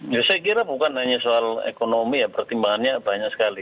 ya saya kira bukan hanya soal ekonomi ya pertimbangannya banyak sekali